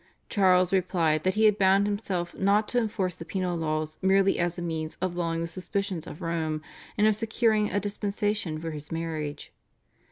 Charles replied that he had bound himself not to enforce the penal laws merely as a means of lulling the suspicions of Rome and of securing a dispensation for his marriage.